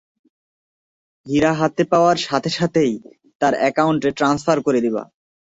হীরা হাতে পাওয়ার সাথে সাথেই, তার একাউন্টে ট্রান্সফার করে দিবা।